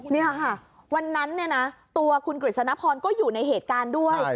นี่ค่ะวันนั้นเนี่ยนะตัวคุณกฤษณพรก็อยู่ในเหตุการณ์ด้วย